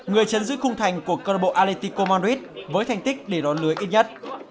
người chấn dứt khung thành của club atletico madrid với thành tích để đón lưới ít nhất